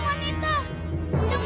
apakah dia ibu kandungku